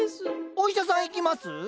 お医者さん行きます？